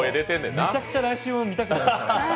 むちゃくちゃ来週も見たくなりました。